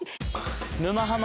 「沼ハマ」